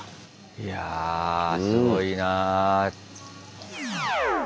いやすごいなぁ。